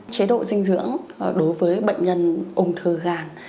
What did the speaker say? chế độ dinh dưỡng đối với bệnh nhân ung thư gan